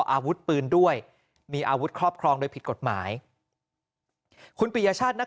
อาวุธปืนด้วยมีอาวุธครอบครองโดยผิดกฎหมายคุณปิยชาตินัก